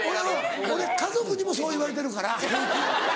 俺家族にもそう言われてるから。